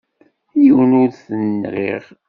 Yiwen ur t-nɣiɣ.